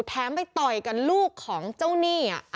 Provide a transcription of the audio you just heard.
แถมไปต่อยกับลูกของเจ้าหนี้